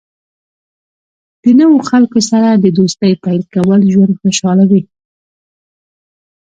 د نوو خلکو سره د دوستۍ پیل کول ژوند خوشحالوي.